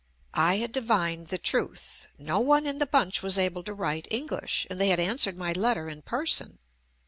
I had divined the truth. No one in the bunch was able to write English, and they had answered my letter in person.